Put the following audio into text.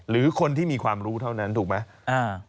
หรือคนที่มีความรู้เท่านั้นถูกไหม